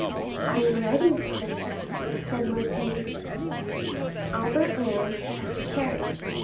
"I am ready, my son," said Mercédès. Albert ran to fetch a carriage.